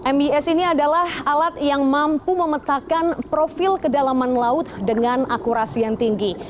mbs ini adalah alat yang mampu memetakan profil kedalaman laut dengan akurasi yang tinggi